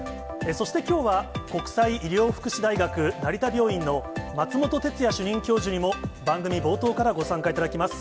そしてきょうは、国際医療福祉大学成田病院の松本哲哉主任教授にも、番組冒頭からご参加いただきます。